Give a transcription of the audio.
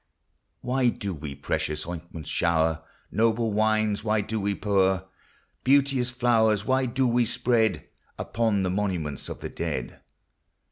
249 Why do we precious ointments show'r ? Noble wines why do we pour ? Beauteous flowers why do we spread, Upon the monuments of the dead